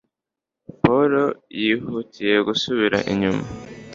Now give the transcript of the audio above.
Pawulo yihutiye gusubira inyuma